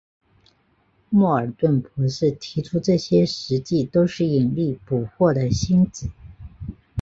莫尔顿博士提出这些实际都是引力捕获的星子。